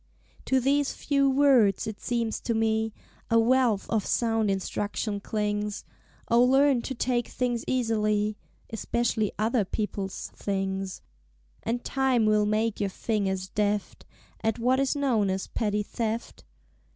_" To these few words, it seems to me, A wealth of sound instruction clings; O Learn to Take things easily Espeshly Other People's Things; And Time will make your fingers deft At what is known as Petty Theft.